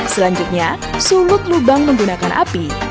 selanjutnya sumut lubang menggunakan api